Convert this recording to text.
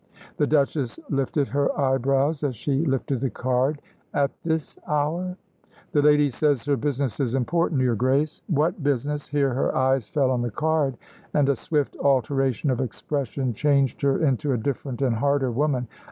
The Duchess lifted her eyebrows as she lifted the card. "At this hour?" "The lady says her business is important, your Grace." "What business ?" here her eyes fell on the card, and a swift alteration of expression changed her into a different and harder woman.